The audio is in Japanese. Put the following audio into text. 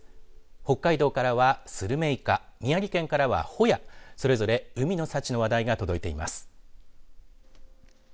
北海道からはするめいかに宮城県からはほやそれぞれ海の幸の話題が届いています。